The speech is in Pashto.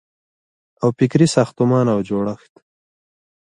او فکري ساختمان او جوړښت